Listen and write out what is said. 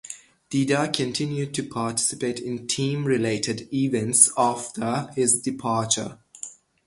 Dida continued to participate in team-related events after his departure.